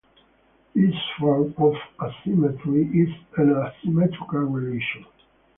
This form of asymmetry is an asymmetrical relation.